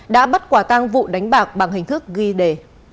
đã bắt quả tang vụ đánh bạc bằng hình thức ghi đề